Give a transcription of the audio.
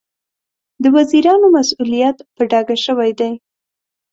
د وزیرانو مسوولیت په ډاګه شوی دی.